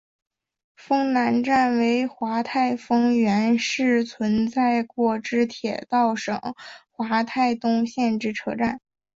丰南站为桦太丰原市存在过之铁道省桦太东线之车站。